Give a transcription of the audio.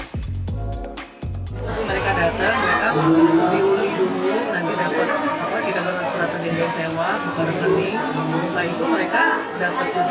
mereka datang mereka dihuni dulu nanti dapat kita akan selatan di rumah sewa bukan rekening